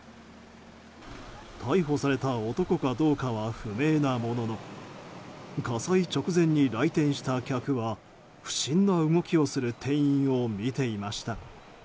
逮捕された男かどうかは不明なものの火災直前に来店した客は不審な動きをする店員を見ていました。